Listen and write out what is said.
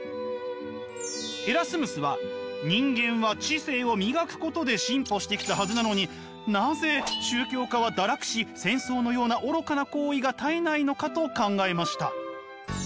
エラスムスは人間は知性を磨くことで進歩してきたはずなのになぜ宗教家は堕落し戦争のような愚かな行為が絶えないのかと考えました。